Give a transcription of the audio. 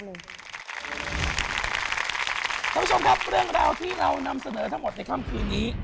คุณผู้ชมครับเรื่องราวที่เรานำเสนอทั้งหมดในค่ำคืนนี้